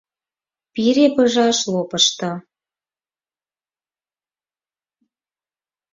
— Пире пыжаш лопышто.